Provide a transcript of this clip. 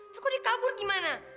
kok dia kabur gimana